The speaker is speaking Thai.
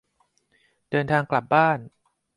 เดินทางกลับบ้าน